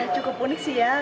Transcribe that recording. cukup unik sih ya